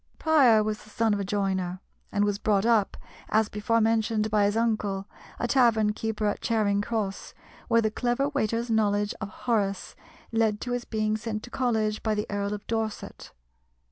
Prior was the son of a joiner, and was brought up, as before mentioned, by his uncle, a tavern keeper at Charing Cross, where the clever waiter's knowledge of Horace led to his being sent to college by the Earl of Dorset.